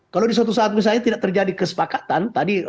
kalau di suatu saat misalnya tidak terjadi kesepakatan tadi